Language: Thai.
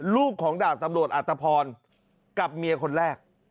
ลูกของดาบตำรวจอัตภพรกับเมียคนแรก